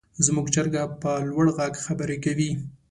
زموږ چرګه په لوړ غږ خبرې کوي.